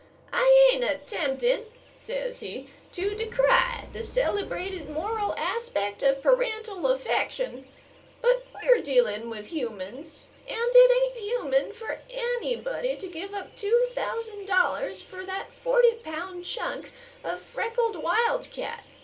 "I ain't attempting," says he, "to decry the celebrated moral aspect of parental affection, but we're dealing with humans, and it ain't human for anybody to give up two thousand dollars for that forty pound chunk of freckled wildcat.